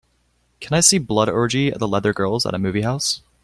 Can I see Blood Orgy of the Leather Girls at a movie house.